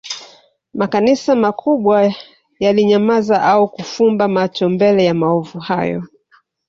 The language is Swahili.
Makanisa makubwa yalinyamaza au kufumba macho mbele ya maovu hayo